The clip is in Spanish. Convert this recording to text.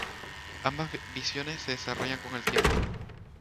Ambas visiones se desarrollan con el tiempo.